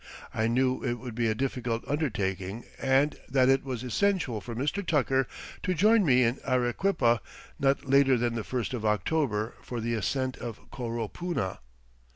I knew it would be a difficult undertaking and that it was essential for Mr. Tucker to join me in Arequipa not later than the first of October for the ascent of Coropuna.